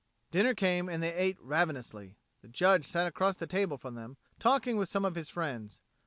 Dinner came and they ate ravenously. The Judge sat across the table from them, talking with some of his friends.